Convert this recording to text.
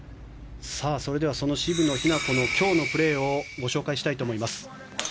それではその渋野日向子の今日のプレーをご紹介したいと思います。